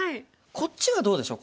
こっちはどうでしょう？